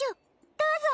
どうぞ。